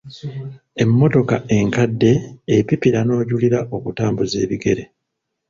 Emmotoka enkadde epipira n'ojulira okutambuza ebigere.